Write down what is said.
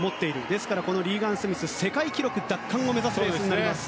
ですから、リーガン・スミスは世界記録奪還を狙うレースになります。